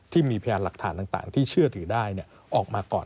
ที่มีพยานหลักฐานต่างที่เชื่อถือได้ออกมาก่อน